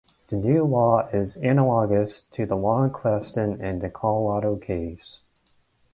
The new law is analogous to the law in question in the Colorado case.